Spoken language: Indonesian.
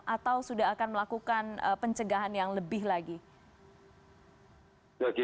atau sudah akan melakukan pencegahan yang lebih lagi